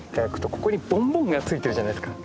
ここにボンボンがついてるじゃないですか。